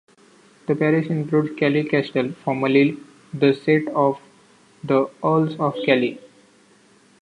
The parish includes Kellie Castle, formerly the seat of the Earls of Kellie.